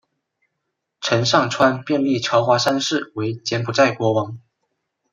陈上川便立乔华三世为柬埔寨国王。